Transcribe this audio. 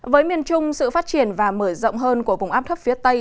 với miền trung sự phát triển và mở rộng hơn của vùng áp thấp phía tây